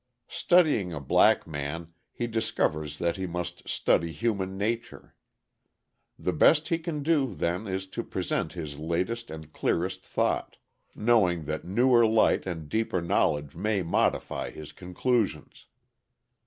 Studying a black man, he discovers that he must study human nature. The best he can do, then, is to present his latest and clearest thought, knowing that newer light and deeper knowledge may modify his conclusions.